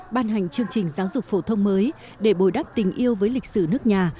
ban hành chương trình giáo dục phổ thông mới để bồi đắp tình yêu với lịch sử nước nhà